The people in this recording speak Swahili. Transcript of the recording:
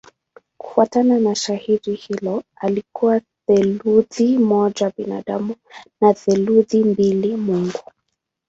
Kufuatana na shairi hilo alikuwa theluthi moja binadamu na theluthi mbili mungu.